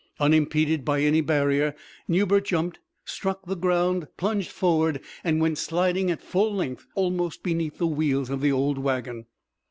Unimpeded by any barrier, Newbert jumped, struck the ground, plunged forward, and went sliding at full length almost beneath the wheels of the old wagon.